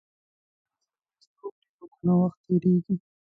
که احمد راسره مرسته وکړي او که نه وخت تېرېږي.